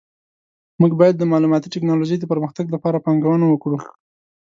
موږ باید د معلوماتي ټکنالوژۍ د پرمختګ لپاره پانګونه وکړو